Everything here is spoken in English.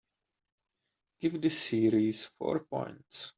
Give this series four points